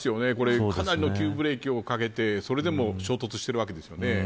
これはかなりの急ブレーキをかけて、それでも衝突しているわけですよね。